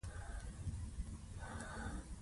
وګړي د افغانستان د طبیعت یوه ډېره مهمه برخه ګڼل کېږي.